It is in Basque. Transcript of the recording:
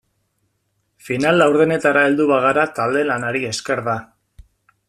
Final laurdenetara heldu bagara talde-lanari esker da.